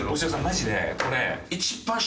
マジでこれ。